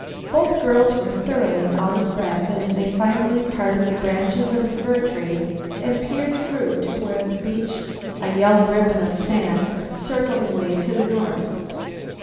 Both girls were thoroughly out of breath as they finally parted the branches of a fir tree and peered through to where the beach, a yellow ribbon of sand, circled away to the north.